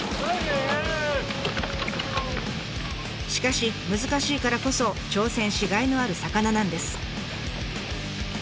しかし難しいからこそ挑戦しがいのある魚なんです。